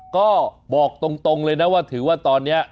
ก็บอกตรงเลยนะว่าถือว่าตอนนี้